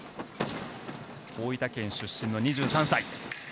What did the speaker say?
大分県出身の２３歳。